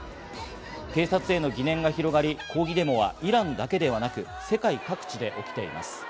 警察への疑念が広がり、抗議デモはイランだけではなく世界各地で起きています。